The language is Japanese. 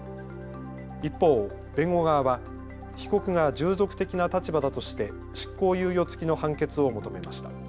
一方、弁護側は被告が従属的な立場だとして執行猶予付きの判決を求めました。